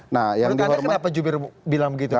nah yang dihormati